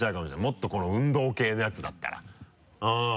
もっとこの運動系のやつだったらうん。